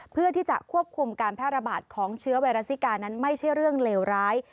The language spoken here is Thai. เพื่อที่จะควบคุมการแพร่ระบาดของเชื้อไวรัสซิกานั้นไม่ใช่เรื่องเลวร้าย